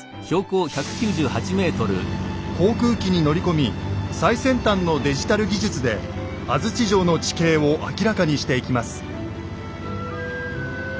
航空機に乗り込み最先端のデジタル技術で安土城の地形を明らかにしていきます。